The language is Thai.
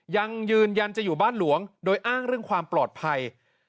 ยังยืนยันจะอยู่บ้านหลวงโดยอ้างเรื่องความปลอดภัย